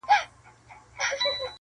• لکه په مني کي له وني رژېدلې پاڼه -